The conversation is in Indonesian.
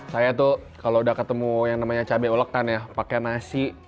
saya tuh kalau udah ketemu yang namanya cabai olekan ya pakai nasi